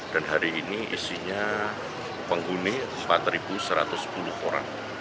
dan hari ini isinya penghuni empat satu ratus sepuluh orang